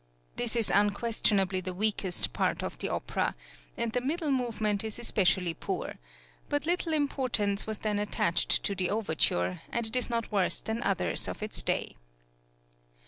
This is unquestionably the weakest part of the opera, and the middle movement is {THE FIRST OPERA IN VIENNA.} (86) especially poor; but little importance was then attached to the overture, and it is not worse than others of its day.